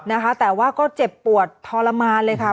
นะคะแต่ว่าก็เจ็บปวดทรมานเลยค่ะ